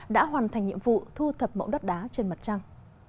đã hoàn thành nhiệm vụ thu thập mẫu đất đá trên mặt trăng